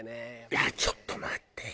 いやちょっと待ってよ。